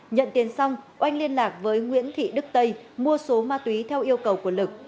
nhận tiền xong oanh liên lạc với nguyễn thị đức tây mua số ma túy theo yêu cầu của lực